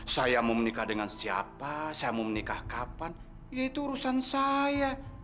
saya mau menikah dengan siapa saya mau menikah kapan ya itu urusan saya